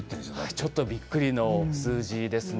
ちょっとびっくりな数字ですね。